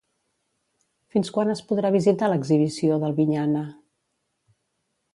Fins quan es podrà visitar l'exhibició d'Albinyana?